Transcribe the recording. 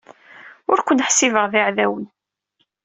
Ur ken-ḥsibeɣ d iɛdawen.